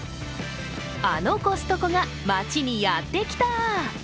あのコストコが町にやってきた！